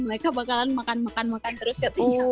mereka bakalan makan makan terus katanya